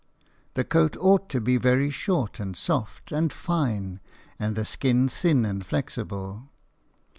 _ The coat ought to be very short and soft, and fine, and the skin thin and flexible.